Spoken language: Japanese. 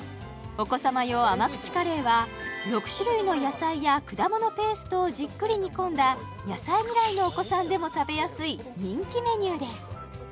お子さま用甘口カレーは６種類の野菜や果物ペーストをじっくり煮込んだ野菜嫌いのお子さんでも食べやすい人気メニューです